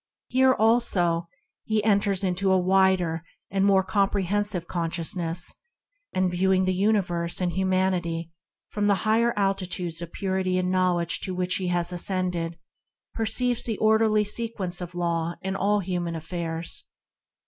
Here, also, he enters into a wider and more comprehensive consciousness, and, viewing the universe and humanity from the higher altitudes of purity and knowledge to which he has ascended, perceives the orderly sequence of law in all human affairs.